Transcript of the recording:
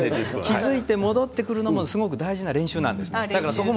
気付いて戻ってくるのも大事な練習なんです。